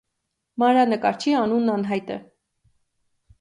Մանրանկարչի անունն անհայտ է։